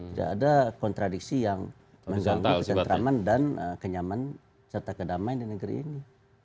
tidak ada kontradiksi yang mengganggu ketentraman dan kenyaman serta kedamaian di negeri ini